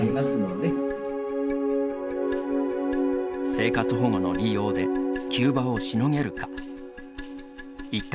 生活保護の利用で急場をしのげるか。